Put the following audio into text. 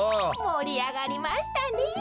もりあがりましたねえ。